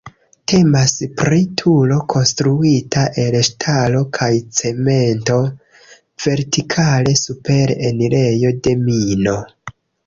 Temas pri turo konstruita el ŝtalo kaj cemento vertikale super enirejo de mino.